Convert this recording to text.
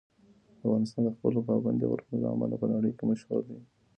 افغانستان د خپلو پابندي غرونو له امله په نړۍ کې مشهور دی.